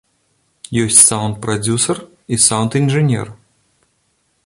Ёсць саўнд-прадзюсар і саўнд-інжынер.